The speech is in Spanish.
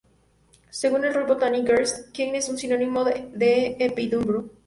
Según el "Royal Botanic Gardens" Kew, es un sinónimo de "Epidendrum".